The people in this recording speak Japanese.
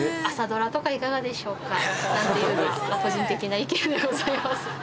いかがでしょうか？なんていうのは個人的な意見でございます。